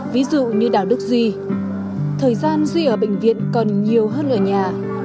ví dụ như đào đức duy thời gian duy ở bệnh viện còn nhiều hơn ở nhà